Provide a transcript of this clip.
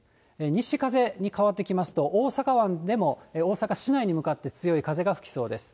西風に変わってきますと、大阪湾でも、大阪市内に向かって強い風が吹きそうです。